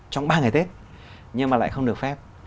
trong ba ngày tết nhưng mà lại không được phép